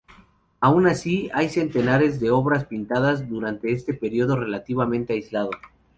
Aun así, hay centenares de obras pintadas durante este periodo relativamente aislado.